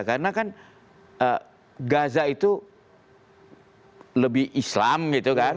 karena kan gaza itu lebih islam gitu kan